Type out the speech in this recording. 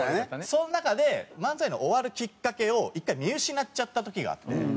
その中で漫才の終わるきっかけを１回見失っちゃった時があって。